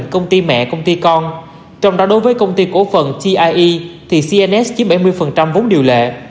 công ty mẹ công ty con trong đó đối với công ty cổ phần tie thì cns chiếm bảy mươi vốn điều lệ